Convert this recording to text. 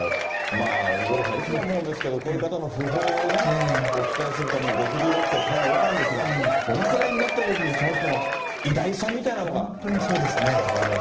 まあ、五郎さん、いつも思うんですけど、こういう方の訃報をね、お伝えするたびに、６６歳、大変お若いんですが、お亡くなりになったときにその人の偉大さみたいなのが分かります